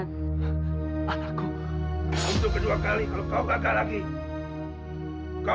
tidak ada apa apa